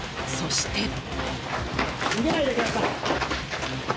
そして。